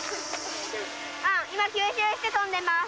今、吸収して飛んでます。